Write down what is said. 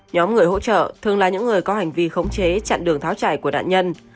nhóm người hỗ trợ thường là những người có hành vi khống chế chặn đường tháo chạy của nạn nhân